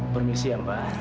permisi ya mbak